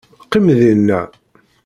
Qqim dinna!